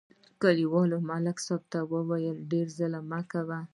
کلیوالو ملک صاحب ته وویل: ډېر ظلم مه کوه.